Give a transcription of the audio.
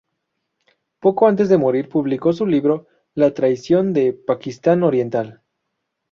Poco antes de morir publicó su libro "La traición de Pakistán Oriental".